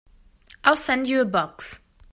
I'll send you a box.